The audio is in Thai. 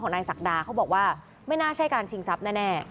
เพิ่มว่าไม่น่าใช่การชิงซับแน่